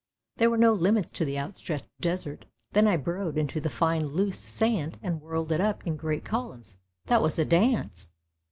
There were no limits to the outstretched desert. Then I burrowed into the fine loose sand and whirled it up in great columns — that was a dance!